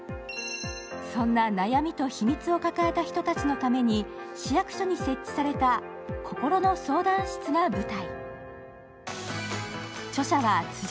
そんな悩みと秘密を抱えた人たちのために市役所に設置された心の相談室が舞台。